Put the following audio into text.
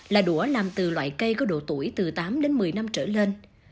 là đũa làm từ loại cây có độ tuổi từ tám đến một mươi năm trở lên